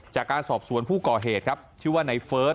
จากการสอบสวนผู้ก่อเหตุครับชื่อว่าในเฟิร์ส